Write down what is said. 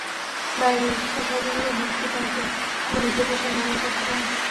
বাইরের বিরক্তিকর শব্দ থেকে মুক্তি পাওয়া যায় এমন অ্যাপ্লিকেশন ব্যবহার করতে পারেন।